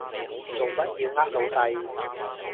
做乜要呃老細？